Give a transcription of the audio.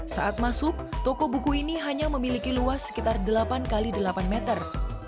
saat masuk toko buku ini hanya memiliki luas sekitar delapan x delapan meter